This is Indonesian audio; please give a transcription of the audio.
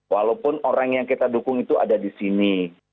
walaupun orang yang kita dukung itu ada di sini